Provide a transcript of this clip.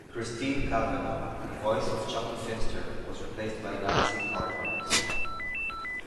Christine Cavanaugh, the voice of Chuckie Finster, was replaced by Nancy Cartwright.